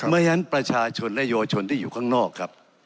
ไม่งั้นประชาชนและเยาวชนที่อยู่ข้างนอกครับ